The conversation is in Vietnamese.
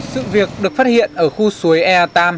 sự việc được phát hiện ở khu suối e ba